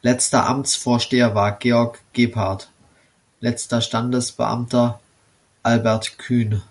Letzter Amtsvorsteher war Georg Gebhardt, letzter Standesbeamter Albert Kühn.